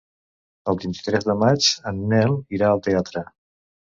El vint-i-tres de maig en Nel irà al teatre.